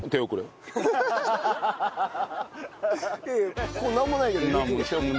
いやいやここなんもないけど。